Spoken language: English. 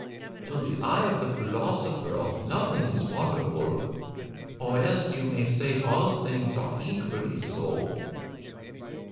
To the eye of the philosopher nothing is wonderful, or else you may say all things are equally so.